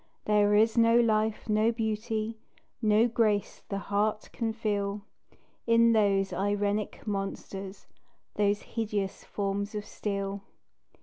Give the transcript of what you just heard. There is no life, no beauty, No grace the heart can feel, In those irenic monsters Those hideous forms of steel.